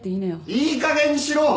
いいかげんにしろ！